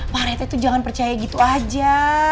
pak rete itu jangan percaya gitu aja